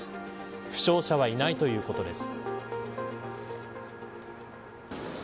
負傷者はいないということです。